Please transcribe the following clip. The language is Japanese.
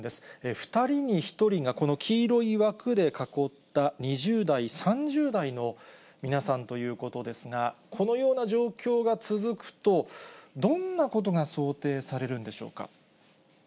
２人に１人が、この黄色い枠でかこった２０代、３０代の皆さんということですが、このような状況が続くと、どんなことが想定されるんでしょうか。